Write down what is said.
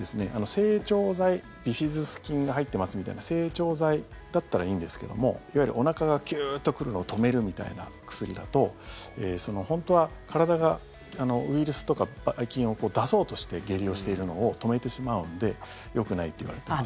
整腸剤、ビフィズス菌が入ってますみたいな整腸剤だったらいいんですけどもいわゆるおなかがキューッと来るのを止めるみたいな薬だと本当は体がウイルスとかばい菌を出そうとして下痢をしているのを止めてしまうのでよくないといわれてます。